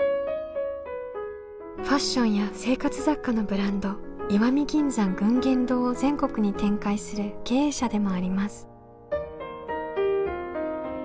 ファッションや生活雑貨のブランド「石見銀山群言堂」を全国に展開する経営者でもあります。